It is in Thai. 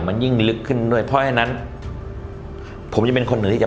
มันยิ่งลึกขึ้นด้วยเพราะฉะนั้นผมจะเป็นคนเหนือที่จะ